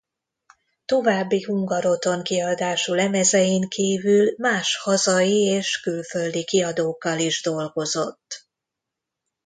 További Hungaroton-kiadású lemezein kívül más hazai és külföldi kiadókkal is dolgozott.